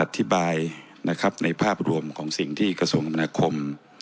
อธิบายนะครับในภาพรวมของสิ่งที่กระทรวงคมนาคม